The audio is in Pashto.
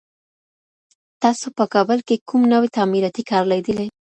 تاسو په کابل کي کوم نوی تعمیراتي کار لیدلی؟